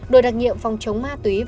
đội đặc nhiệm phòng chống ma túy